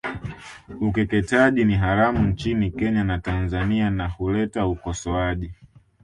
Ukeketaji ni haramu nchini Kenya na Tanzania na huleta ukosoaji